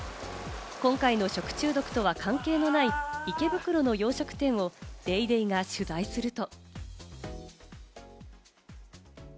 今回の食中毒とは関係のない池袋の洋食店を『ＤａｙＤａｙ．』が取材すると。